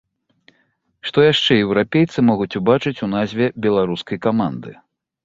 Што яшчэ еўрапейцы могуць убачыць у назве беларускай каманды?